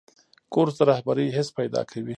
کورس د رهبرۍ حس پیدا کوي.